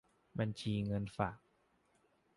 บัญชีเงินฝาก